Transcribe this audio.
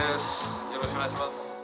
よろしくお願いします。